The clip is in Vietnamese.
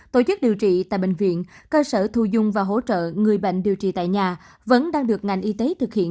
tổ chức điều trị tại bệnh viện cơ sở thu dung và hỗ trợ người bệnh điều trị tại nhà vẫn đang được ngành y tế thực hiện